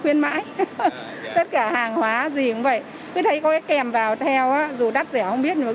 khuyến mãi tất cả hàng hóa gì cũng vậy cứ thấy có kèm vào theo dù đắt rẻ không biết được